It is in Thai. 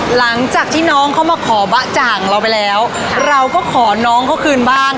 หลังจากที่น้องเขามาขอบ๊ะจ่างเราไปแล้วเราก็ขอน้องเขาคืนบ้าง